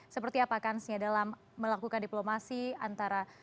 seperti apa kansnya dalam melakukan diplomasi antara